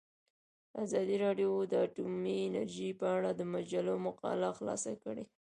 ازادي راډیو د اټومي انرژي په اړه د مجلو مقالو خلاصه کړې.